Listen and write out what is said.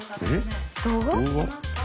動画？